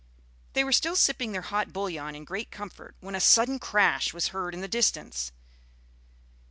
They were still sipping their hot bouillon in great comfort, when a sudden crash was heard in the distance.